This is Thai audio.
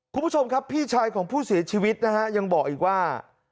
คุณผู้ชมครับพี่ชายของผู้เสียชีวิตนะฮะยังบอกอีกว่า